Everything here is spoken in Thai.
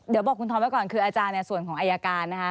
เดี๋ยวบอกคุณธอมไว้ก่อนคืออาจารย์ในส่วนของอายการนะคะ